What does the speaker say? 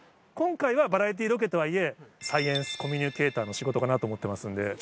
今回はバラエティーロケとはいえ、サイエンスコミュニケーターの仕事かなと思ってますので。